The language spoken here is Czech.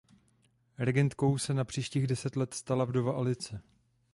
Regentkou se na příštích deset let stala vdova Alice.